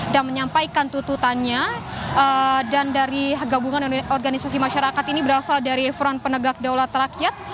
dari gabungan organisasi masyarakat ini berasal dari front penegak kedaulatan rakyat